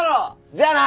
じゃあな！